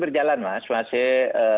berjalan mas masih